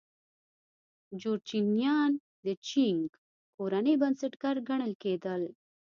جورچنیان د چینګ کورنۍ بنسټګر ګڼل کېدل.